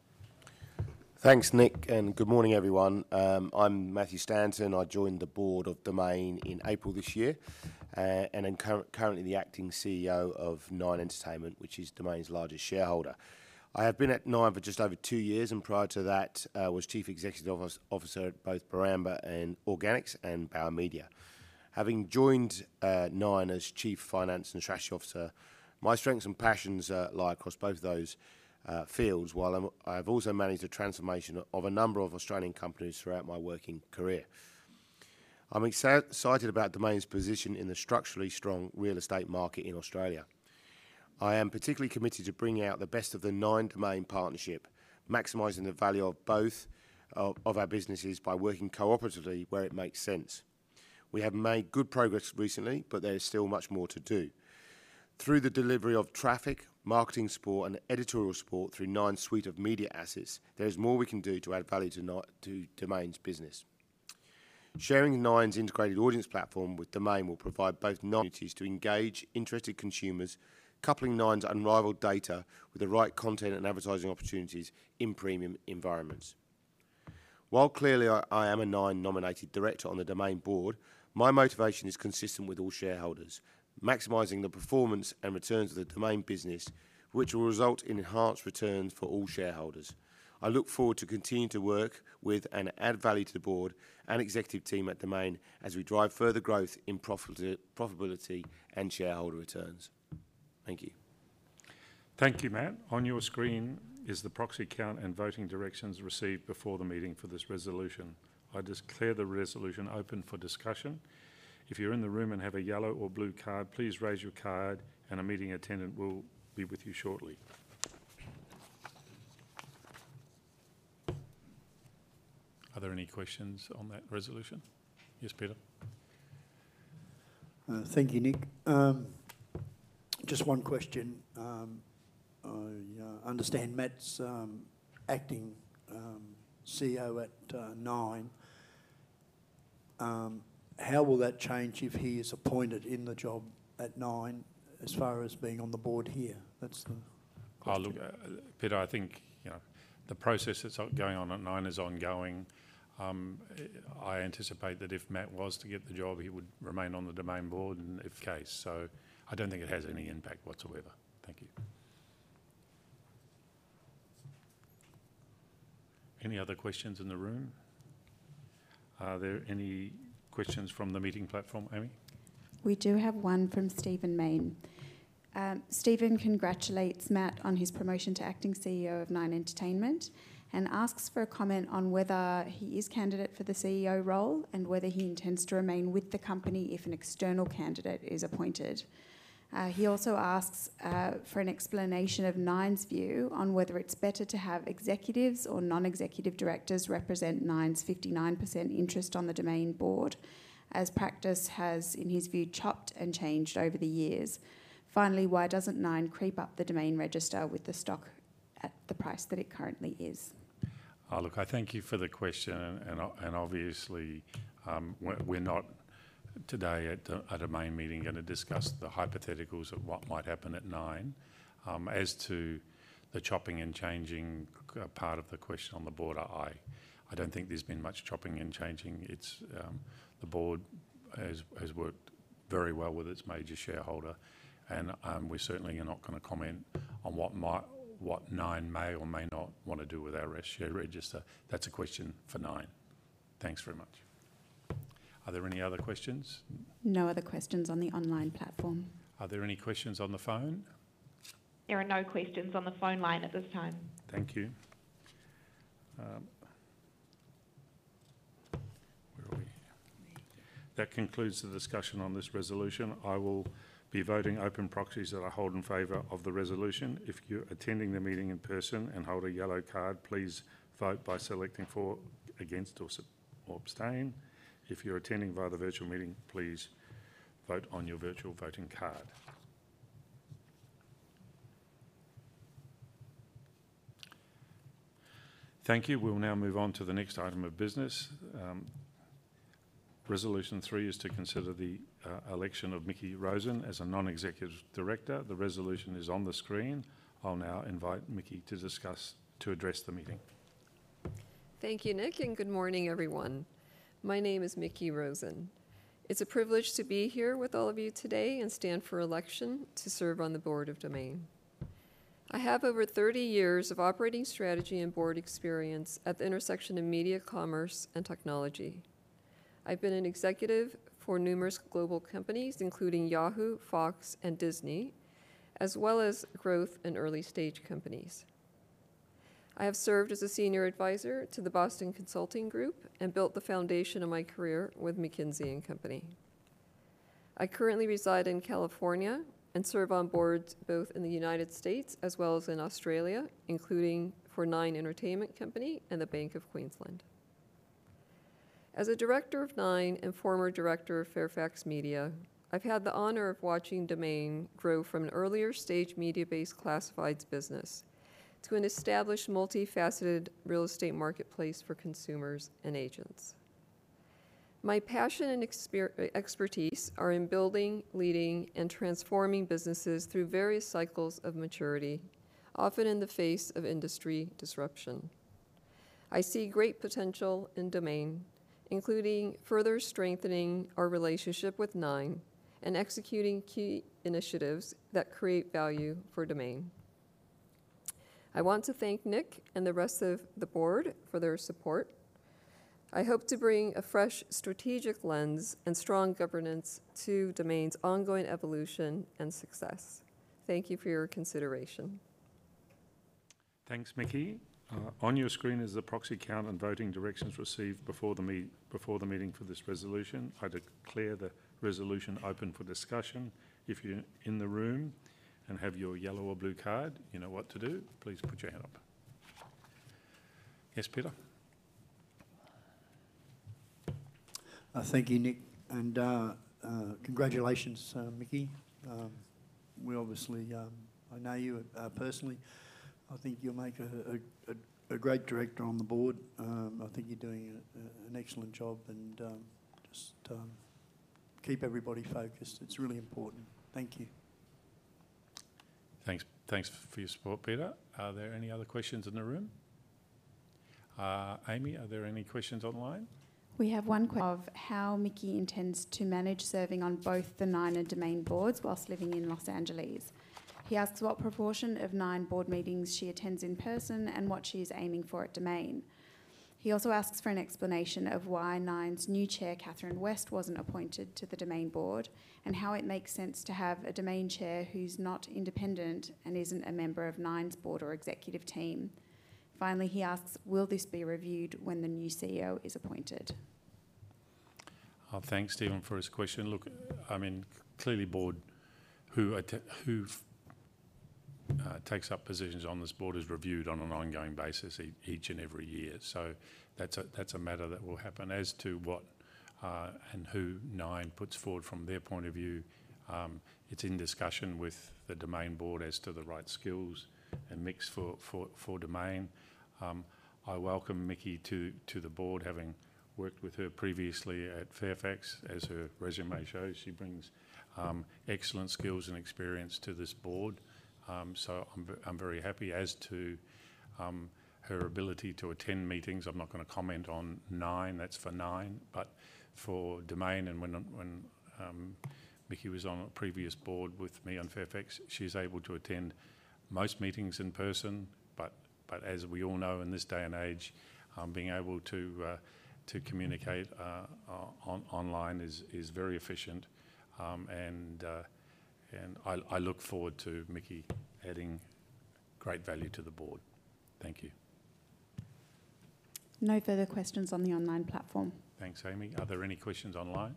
Thanks, Nick, and good morning, everyone. I'm Matthew Stanton. I joined the board of Domain in April this year and am currently the acting CEO of Nine Entertainment, which is Domain's largest shareholder. I have been at Nine for just over two years and prior to that was chief executive officer at both Barambah Organics and Bauer Media. Having joined Nine as chief finance and strategy officer, my strengths and passions lie across both those fields, while I have also managed a transformation of a number of Australian companies throughout my working career. I'm excited about Domain's position in the structurally strong real estate market in Australia. I am particularly committed to bringing out the best of the Nine-Domain partnership, maximizing the value of both of our businesses by working cooperatively where it makes sense. We have made good progress recently, but there is still much more to do. Through the delivery of traffic, marketing support, and editorial support through Nine's suite of media assets, there is more we can do to add value to Domain's business. Sharing Nine's integrated audience platform with Domain will provide both communities to engage interested consumers, coupling Nine's unrivaled data with the right content and advertising opportunities in premium environments. While clearly I am a Nine-nominated director on the Domain board, my motivation is consistent with all shareholders, maximizing the performance and returns of the Domain business, which will result in enhanced returns for all shareholders. I look forward to continuing to work with and add value to the board and executive team at Domain as we drive further growth in profitability and shareholder returns. Thank you. Thank you, Matt. On your screen is the proxy count and voting directions received before the meeting for this resolution. I declare the resolution open for discussion. If you're in the room and have a yellow or blue card, please raise your card and a meeting attendant will be with you shortly. Are there any questions on that resolution? Yes, Peter. Thank you, Nick. Just one question. I understand Matt's Acting CEO at Nine. How will that change if he is appointed in the job at Nine as far as being on the board here? Peter, I think the process that's going on at Nine is ongoing. I anticipate that if Matt was to get the job, he would remain on the Domain board. And in that case. So I don't think it has any impact whatsoever. Thank you. Any other questions in the room? Are there any questions from the meeting platform, Amy? We do have one from Stephen Mayne. Stephen congratulates Matt on his promotion to acting CEO of Nine Entertainment and asks for a comment on whether he is candidate for the CEO role and whether he intends to remain with the company if an external candidate is appointed. He also asks for an explanation of Nine's view on whether it's better to have executives or non-executive directors represent Nine's 59% interest on the Domain board, as practice has, in his view, chopped and changed over the years. Finally, why doesn't Nine creep up the Domain register with the stock at the price that it currently is? Look, I thank you for the question, and obviously, we're not today at a main meeting going to discuss the hypotheticals of what might happen at Nine. As to the chopping and changing part of the question on the board, I don't think there's been much chopping and changing. The board has worked very well with its major shareholder, and we certainly are not going to comment on what Nine may or may not want to do with our share register. That's a question for Nine. Thanks very much. Are there any other questions? No other questions on the online platform. Are there any questions on the phone? There are no questions on the phone line at this time. Thank you. That concludes the discussion on this resolution. I will be voting open proxies that I hold in favor of the resolution. If you're attending the meeting in person and hold a yellow card, please vote by selecting for, against, or abstain. If you're attending via the virtual meeting, please vote on your virtual voting card. Thank you. We'll now move on to the next item of business. Resolution three is to consider the election of Mickie Rosen as a non-executive director. The resolution is on the screen. I'll now invite Mickie to address the meeting. Thank you, Nick, and good morning, everyone. My name is Mickie Rosen. It's a privilege to be here with all of you today and stand for election to serve on the board of Domain. I have over 30 years of operating strategy and board experience at the intersection of media, commerce, and technology. I've been an executive for numerous global companies, including Yahoo, Fox, and Disney, as well as growth and early-stage companies. I have served as a senior advisor to the Boston Consulting Group and built the foundation of my career with McKinsey & Company. I currently reside in California and serve on boards both in the United States as well as in Australia, including for Nine Entertainment Company and the Bank of Queensland. As a director of Nine and former director of Fairfax Media, I've had the honor of watching Domain grow from an earlier-stage media-based classifieds business to an established, multifaceted real estate marketplace for consumers and agents. My passion and expertise are in building, leading, and transforming businesses through various cycles of maturity, often in the face of industry disruption. I see great potential in Domain, including further strengthening our relationship with Nine and executing key initiatives that create value for Domain. I want to thank Nick and the rest of the board for their support. I hope to bring a fresh strategic lens and strong governance to Domain's ongoing evolution and success. Thank you for your consideration. Thanks, Mickie. On your screen is the proxy count and voting directions received before the meeting for this resolution. I declare the resolution open for discussion. If you're in the room and have your yellow or blue card, you know what to do. Please put your hand up. Yes, Peter. Thank you, Nick, and congratulations, Mickie. I know you personally. I think you'll make a great director on the board. I think you're doing an excellent job and just keep everybody focused. It's really important. Thank you. Thanks for your support, Peter. Are there any other questions in the room? Amy, are there any questions online? We have one. Of how Mickie intends to manage serving on both the Nine and Domain boards while living in Los Angeles. He asks what proportion of Nine board meetings she attends in person and what she is aiming for at Domain. He also asks for an explanation of why Nine's new chair, Catherine West, wasn't appointed to the Domain board and how it makes sense to have a Domain chair who's not independent and isn't a member of Nine's board or executive team. Finally, he asks, will this be reviewed when the new CEO is appointed? Thanks, Stephen, for his question. Look, I mean, clearly, board who takes up positions on this board is reviewed on an ongoing basis each and every year. So that's a matter that will happen. As to what and who Nine puts forward from their point of view, it's in discussion with the Domain board as to the right skills and mix for Domain. I welcome Mickie to the board, having worked with her previously at Fairfax, as her résumé shows. She brings excellent skills and experience to this board. So I'm very happy. As to her ability to attend meetings, I'm not going to comment on Nine. That's for Nine. But for Domain, and when Mickie was on a previous board with me on Fairfax, she's able to attend most meetings in person. But as we all know in this day and age, being able to communicate online is very efficient. And I look forward to Mickie adding great value to the board. Thank you. No further questions on the online platform. Thanks, Amy. Are there any questions online?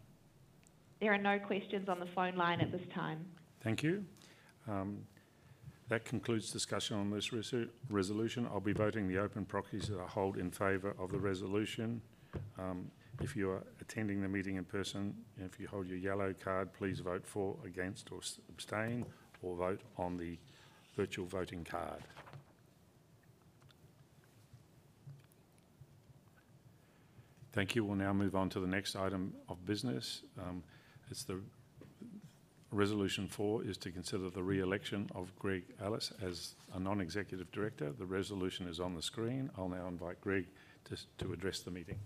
There are no questions on the phone line at this time. Thank you. That concludes discussion on this resolution. I'll be voting the open proxies that I hold in favor of the resolution. If you're attending the meeting in person, if you hold your yellow card, please vote for, against, or abstain, or vote on the virtual voting card. Thank you. We'll now move on to the next item of business. Resolution four is to consider the re-election of Greg Ellis as a non-executive director. The resolution is on the screen. I'll now invite Greg to address the meeting.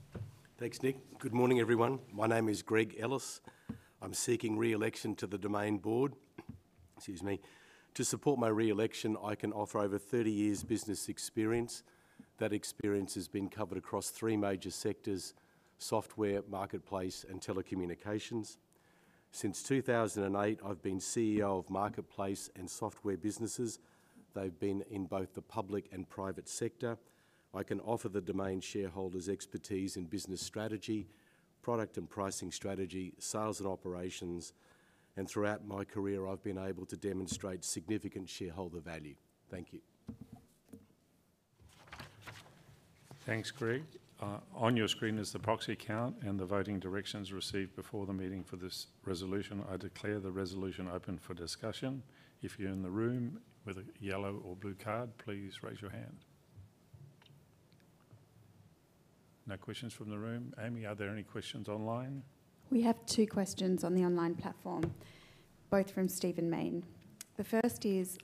Thanks, Nick. Good morning, everyone. My name is Greg Ellis. I'm seeking re-election to the Domain board. Excuse me. To support my re-election, I can offer over 30 years' business experience. That experience has been covered across three major sectors: software, marketplace, and telecommunications. Since 2008, I've been CEO of marketplace and software businesses. They've been in both the public and private sector. I can offer the Domain shareholders expertise in business strategy, product and pricing strategy, sales, and operations. And throughout my career, I've been able to demonstrate significant shareholder value. Thank you. Thanks, Greg. On your screen is the proxy count and the voting directions received before the meeting for this resolution. I declare the resolution open for discussion. If you're in the room with a yellow or blue card, please raise your hand. No questions from the room. Amy, are there any questions online? We have two questions on the online platform, both from Stephen Mayne. The first is,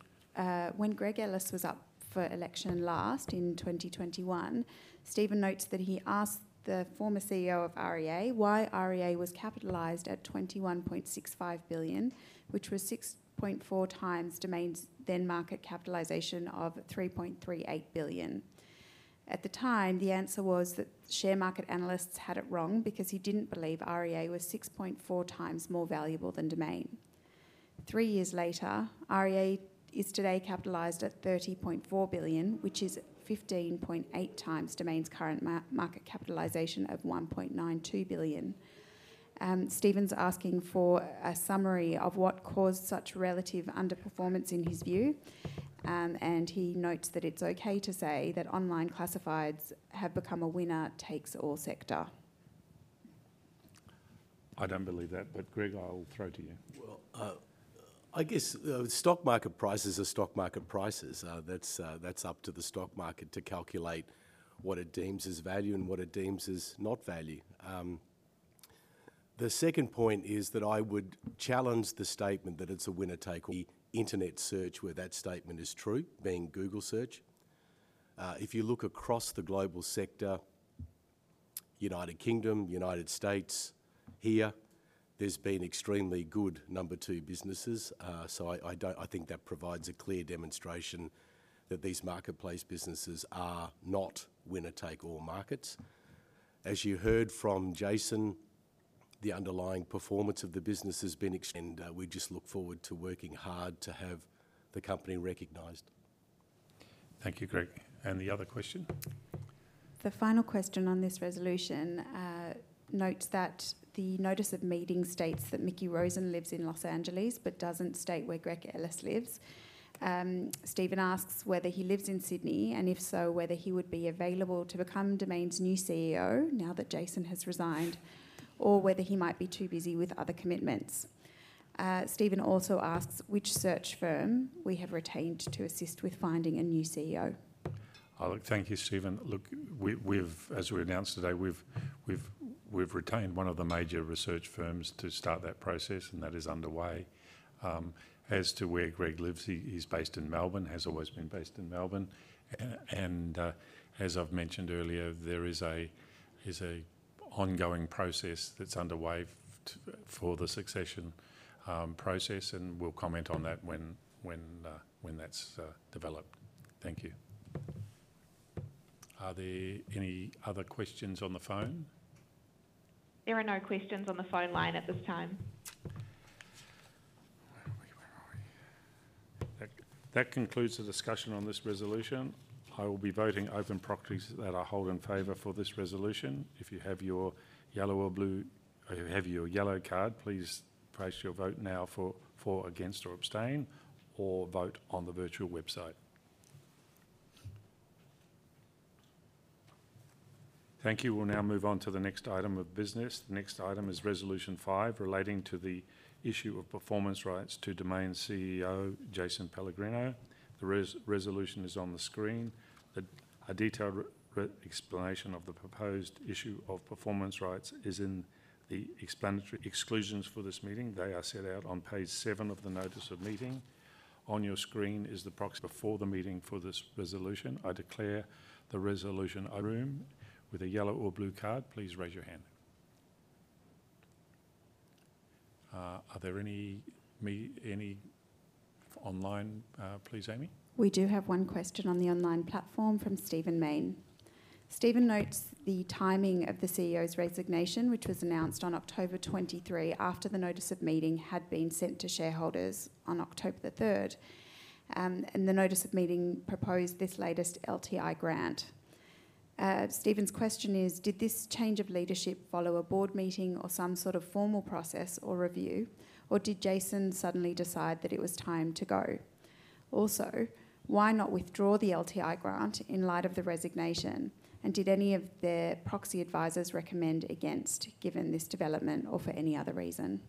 when Greg Ellis was up for election last in 2021, Stephen notes that he asked the former CEO of REA why REA was capitalized at 21.65 billion, which was 6.4 times Domain's then-market capitalization of 3.38 billion. At the time, the answer was that share market analysts had it wrong because he didn't believe REA was 6.4 times more valuable than Domain. Three years later, REA is today capitalized at 30.4 billion, which is 15.8 times Domain's current market capitalization of 1.92 billion. Stephen's asking for a summary of what caused such relative underperformance in his view, and he notes that it's okay to say that online classifieds have become a winner-takes-all sector. I don't believe that, but Greg, I'll throw to you. Well, I guess stock market prices are stock market prices. That's up to the stock market to calculate what it deems as value and what it deems as not value. The second point is that I would challenge the statement that it's a winner-take. The internet search where that statement is true, being Google search. If you look across the global sector, United Kingdom, United States, here, there's been extremely good number two businesses. So I think that provides a clear demonstration that these marketplace businesses are not winner-take-all markets. As you heard from Jason, the underlying performance of the business has been. And we just look forward to working hard to have the company recognized. Thank you, Greg. And the other question? The final question on this resolution notes that the notice of meeting states that Mickie Rosen lives in Los Angeles but doesn't state where Greg Ellis lives. Stephen asks whether he lives in Sydney and if so, whether he would be available to become Domain's new CEO now that Jason has resigned, or whether he might be too busy with other commitments. Stephen also asks which search firm we have retained to assist with finding a new CEO. Thank you, Stephen. Look, as we announced today, we've retained one of the major search firms to start that process, and that is underway. As to where Greg lives, he is based in Melbourne, has always been based in Melbourne, and as I've mentioned earlier, there is an ongoing process that's underway for the succession process, and we'll comment on that when that's developed. Thank you. Are there any other questions on the phone? There are no questions on the phone line at this time. That concludes the discussion on this resolution. I will be voting open proxies that I hold in favor for this resolution. If you have your yellow or blue or have your yellow card, please place your vote now for, against, or abstain, or vote on the virtual website. Thank you. We'll now move on to the next item of business. The next item is resolution five relating to the issue of performance rights to Domain's CEO, Jason Pellegrino. The resolution is on the screen. A detailed explanation of the proposed issue of performance rights is in the explanatory notes for this meeting. They are set out on page seven of the notice of meeting. On your screen is the proxy before the meeting for this resolution. I declare the resolution. Room with a yellow or blue card, please raise your hand. Are there any online, please, Amy? We do have one question on the online platform from Stephen Mayne. Stephen notes the timing of the CEO's resignation, which was announced on October 23 after the notice of meeting had been sent to shareholders on October the 3rd. And the notice of meeting proposed this latest LTI grant. Stephen's question is, did this change of leadership follow a board meeting or some sort of formal process or review, or did Jason suddenly decide that it was time to go? Also, why not withdraw the LTI grant in light of the resignation, and did any of their proxy advisors recommend against given this development or for any other reason?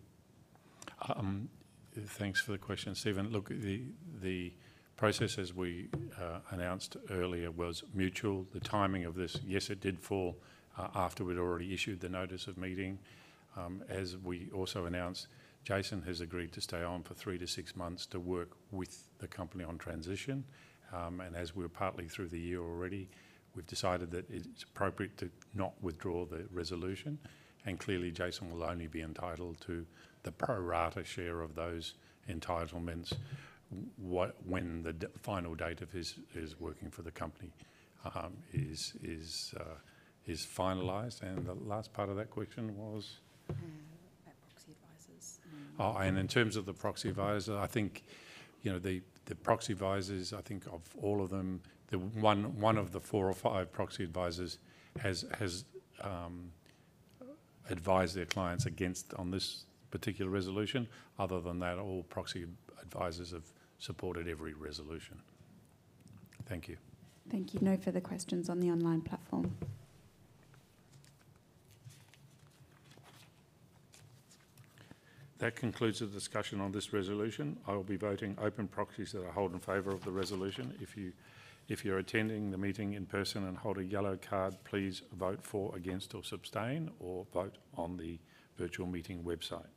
Thanks for the question, Stephen. Look, the process, as we announced earlier, was mutual. The timing of this, yes, it did fall after we'd already issued the notice of meeting. As we also announced, Jason has agreed to stay on for three to six months to work with the company on transition. And as we're partly through the year already, we've decided that it's appropriate to not withdraw the resolution. And clearly, Jason will only be entitled to the pro rata share of those entitlements when the final date of his working for the company is finalized. And the last part of that question was? Proxy advisors. And in terms of the proxy advisors, I think the proxy advisors, I think of all of them, one of the four or five proxy advisors has advised their clients against on this particular resolution. Other than that, all proxy advisors have supported every resolution. Thank you. Thank you. No further questions on the online platform. That concludes the discussion on this resolution. I will be voting open proxies that I hold in favor of the resolution. If you're attending the meeting in person and hold a yellow card, please vote for, against, or abstain, or vote on the virtual meeting website.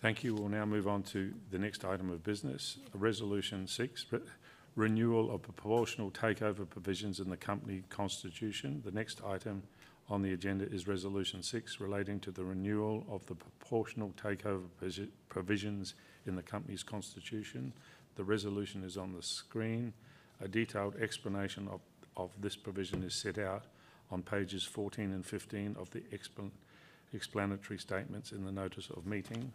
Thank you. We'll now move on to the next item of business, resolution six, renewal of proportional takeover provisions in the company constitution. The next item on the agenda is resolution six relating to the renewal of the proportional takeover provisions in the company's constitution. The resolution is on the screen. A detailed explanation of this provision is set out on pages 14 and 15 of the explanatory statements in the notice of meeting.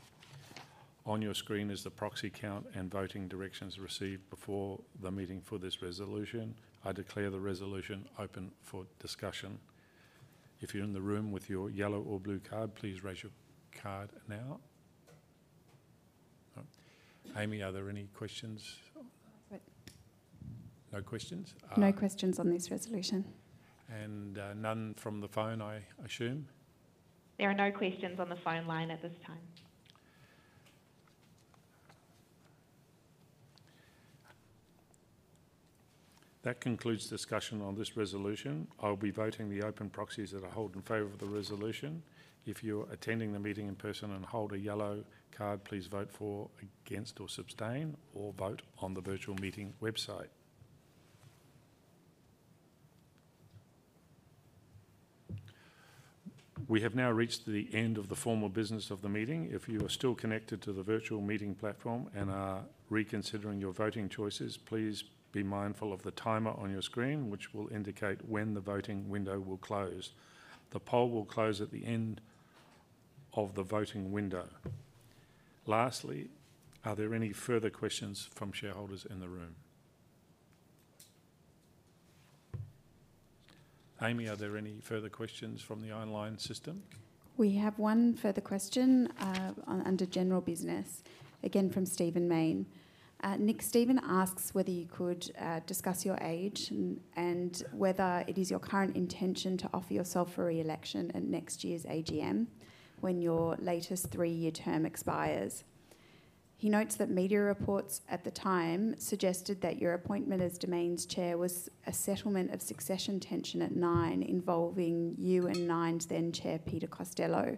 On your screen is the proxy count and voting directions received before the meeting for this resolution. I declare the resolution open for discussion. If you're in the room with your yellow or blue card, please raise your card now. Amy, are there any questions? No questions? No questions on this resolution. And none from the phone, I assume? There are no questions on the phone line at this time. That concludes discussion on this resolution. I'll be voting the open proxies that I hold in favor of the resolution. If you're attending the meeting in person and hold a yellow card, please vote for, against, or abstain, or vote on the virtual meeting website. We have now reached the end of the formal business of the meeting. If you are still connected to the virtual meeting platform and are reconsidering your voting choices, please be mindful of the timer on your screen, which will indicate when the voting window will close. The poll will close at the end of the voting window. Lastly, are there any further questions from shareholders in the room? Amy, are there any further questions from the online system? We have one further question under general business, again from Stephen Mayne. Nick, Stephen asks whether you could discuss your age and whether it is your current intention to offer yourself for re-election at next year's AGM when your latest three-year term expires. He notes that media reports at the time suggested that your appointment as Domain's chair was a settlement of succession tension at Nine involving you and Nine's then-chair, Peter Costello.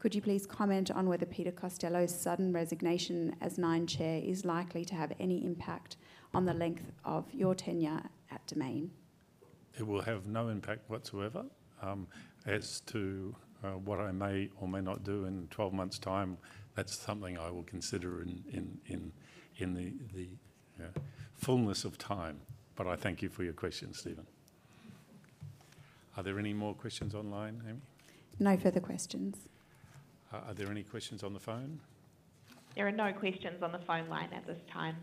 Could you please comment on whether Peter Costello's sudden resignation as Nine chair is likely to have any impact on the length of your tenure at Domain? It will have no impact whatsoever. As to what I may or may not do in 12 months' time, that's something I will consider in the fullness of time. I thank you for your question, Stephen. Are there any more questions online, Amy? No further questions. Are there any questions on the phone? There are no questions on the phone line at this time.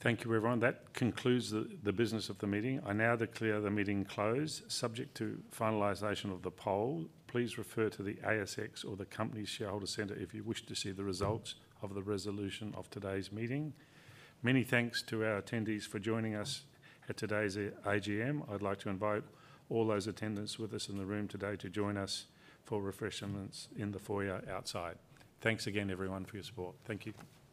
Thank you, everyone. That concludes the business of the meeting. I now declare the meeting closed, subject to finalization of the poll. Please refer to the ASX or the company's shareholder center if you wish to see the results of the resolution of today's meeting. Many thanks to our attendees for joining us at today's AGM. I'd like to invite all those attendees with us in the room today to join us for refreshments in the foyer outside. Thanks again, everyone, for your support. Thank you.